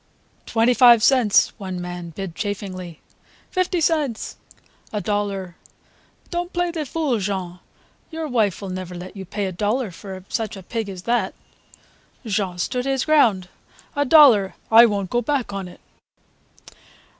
"Twenty five cents!" one young man bid chaffingly. "Fifty cents!" "A dollar!" "Don't play the fool, Jean. Your wife will never let you pay a dollar for such a pig as that." Jean stood his ground: "A dollar, I won't go back on it."